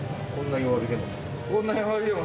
こんな弱火でも？